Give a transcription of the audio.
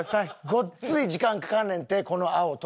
ごっつい時間かかんねんってこの青取るの。